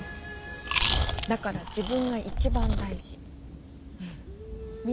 だから自分が一番大事。